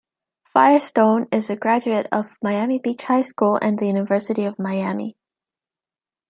Firestone is a graduate of Miami Beach High School and the University of Miami.